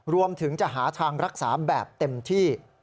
รวมถึงจะหาทางรักษาแบบเต็มที่